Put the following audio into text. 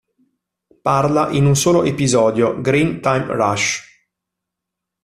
Parla in un solo episodio, "Green Time Rush".